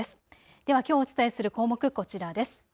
ではきょうお伝えする項目、こちらです。